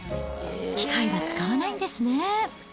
機械は使わないんですね。